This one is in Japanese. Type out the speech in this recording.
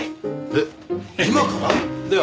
えっ今から？